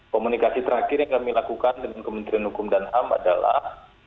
komunikasi terakhir yang kami lakukan dengan kementerian hukum dan ham adalah